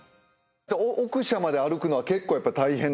奥社まで歩くのは結構やっぱ大変ですか？